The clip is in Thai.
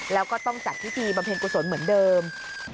แล้วก็ต้องจัดพิธีบำเพ็ญกุศลเหมือนเดิม